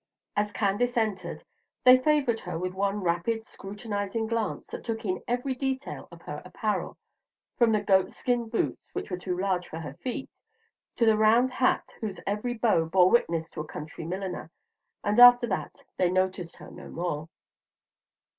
As Candace entered, they favored her with one rapid, scrutinizing glance that took in every detail of her apparel, from the goat skin boots which were too large for her feet to the round hat whose every bow bore witness to a country milliner, and after that they noticed her no more.